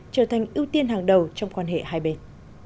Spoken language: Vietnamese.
trở thành ưu tiên hàng đầu trong quan hệ hai bên